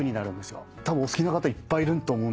たぶんお好きな方いっぱいいると思うんですけど。